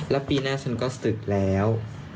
แล้วปีหน้าฉันก็ศึกแล้ว